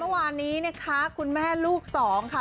เมื่อวานนี้นะคะคุณแม่ลูกสองค่ะ